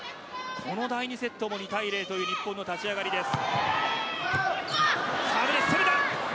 第２セットも２対０という日本の立ち上がりです。